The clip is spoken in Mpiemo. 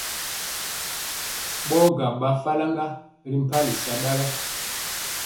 Ɓɔɔ gaŋ bwaa faraŋga ri mpali sataga.